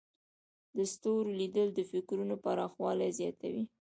د ستورو لیدل د فکرونو پراخوالی زیاتوي.